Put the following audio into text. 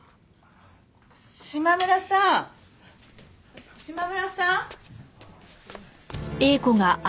島村さん島村さん？